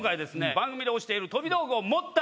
番組で押している。